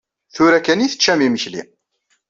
Tura kan i teččam imekli.